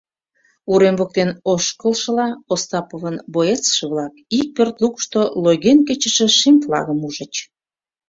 Урем воктен ошкылшыла Остаповын боецше-влак ик пӧрт лукышто лойген кечыше шем флагым ужыч.